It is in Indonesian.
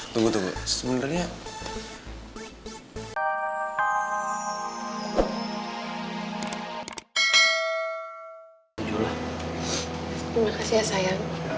tunggu tunggu sebenernya